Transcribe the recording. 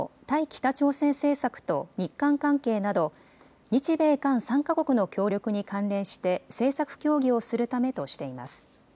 北朝鮮政策と日韓関係など日米韓３か国の協力に関連して政策協議をするためとしています。